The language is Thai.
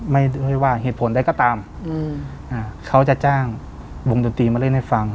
ไม่ด้วยว่าเหตุผลได้ก็ตามเขาจะจ้างวงดุรตีมาเล่นให้ฟัง